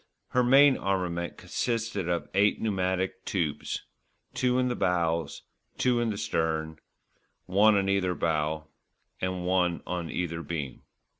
Her main armament consisted of eight pneumatic tubes, two in the bows, two in the stern, one on either bow and one on either beam.